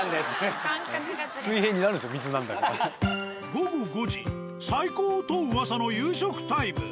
午後５時最高とうわさの夕食タイム。